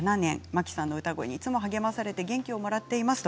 摩季さんの声にいつも励まされて元気をもらっています。